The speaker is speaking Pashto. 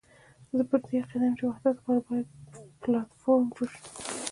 زه پر دې عقيده یم چې د وحدت لپاره باید پلاټ فورم جوړ شي.